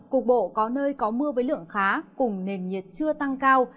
cục bộ có nơi có mưa với lượng khá cùng nền nhiệt chưa tăng cao